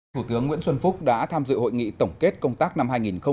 thủ tướng nguyễn xuân phúc đã tham dự hội nghị tổng kết công tác năm hai nghìn một mươi chín